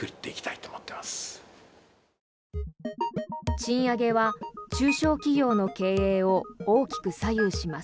賃上げは中小企業の経営を大きく左右します。